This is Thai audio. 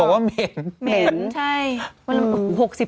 เห็นใช่